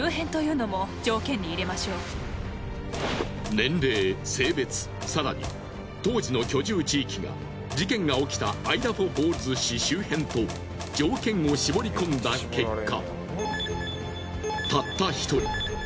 年齢性別更に当時の居住地域が事件が起きたアイダホフォールズ市周辺と条件を絞り込んだ結果。